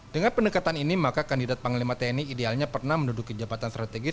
dengan pendekatan ini maka kandidat panglima tni idealnya pernah menduduki jabatan strategis